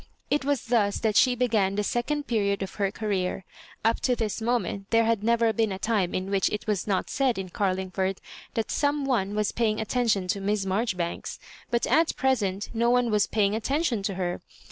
It was thus that she began the second period of her career. Tip to this moment there had never been a time in which it was not said in Carlingford that some one was paying attention to Miss Marjorifianks ; but at present no one was paying attention to her.